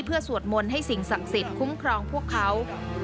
เพื่อสวดมนต์ให้สิ่งศักดิ์สิทธิ์คุ้มครองพวกเขา